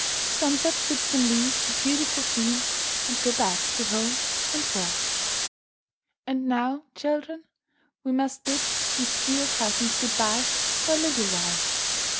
Sunset bids them leave the beautiful scene and go back to home and work. And now, children, we must bid these dear cousins good bye for a little while.